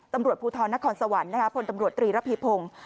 ตำรวจภูทรนครสวรรค์พลตำรวจตรีระพีพงศ์